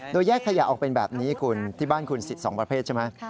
โดยแยกขยะออกเป็นแบบนี้คุณที่บ้านคุณ๑๒ประเภทใช่ไหม